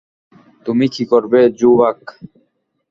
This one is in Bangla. তুমি কী করবে, জোবার্গ?